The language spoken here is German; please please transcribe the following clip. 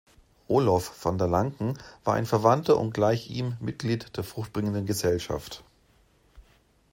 Olof von der Lancken war ein Verwandter und gleich ihm Mitglied der Fruchtbringenden Gesellschaft.